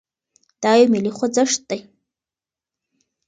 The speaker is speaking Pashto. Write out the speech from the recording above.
دا يو ملي خوځښت دی.